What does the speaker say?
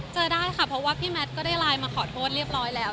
เจอได้ค่ะเพราะว่าพี่แมทก็ได้ไลน์มาขอโทษเรียบร้อยแล้ว